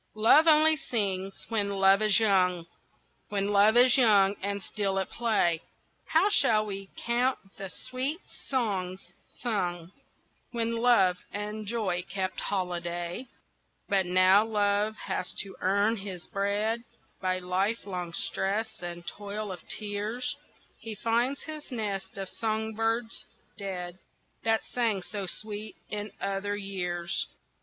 LOVE only sings when Love is young, When Love is young and still at play, How shall we count the sweet songs sung When Love and Joy kept holiday? But now Love has to earn his bread By lifelong stress and toil of tears, He finds his nest of song birds dead That sang so sweet in other years.